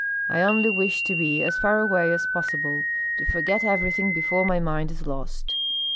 I only wish to be as far away as possible, to forget everything before my mind is lost.